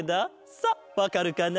さあわかるかな？